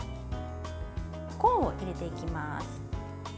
コーンを入れていきます。